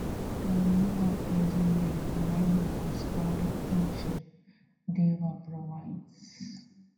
The area of present-day Nan'yo was part of ancient Dewa Province.